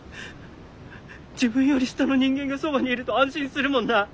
自分より下の人間がそばにいると安心するもんな。